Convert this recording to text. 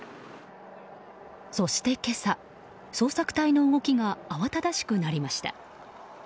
そして今朝、捜索隊の動きが慌ただしくなりました。